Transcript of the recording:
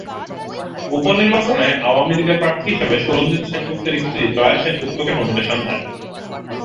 উপনির্বাচনে আওয়ামী লীগের প্রার্থী হিসেবে সুরঞ্জিত সেনগুপ্তর স্ত্রী জয়া সেনগুপ্তাকে মনোনয়ন দেয়।